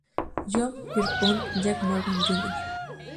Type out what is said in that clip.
John Pierpont "Jack" Morgan, Jr.